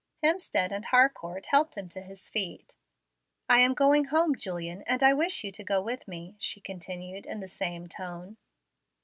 Hemstead and Harcourt helped him to his feet. "I am going home, Julian, and wish you to go with me," she continued in the same tone.